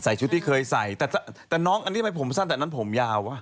ชุดที่เคยใส่แต่น้องอันนี้ทำไมผมสั้นแต่อันนั้นผมยาวว่ะ